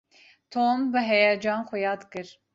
Tom bi heyecan xuya dikir.